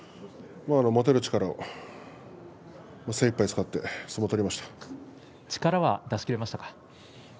持てる力を精いっぱい使って力は出し切れましたか。